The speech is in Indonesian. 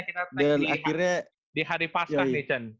kita tag di hari pascah nih cen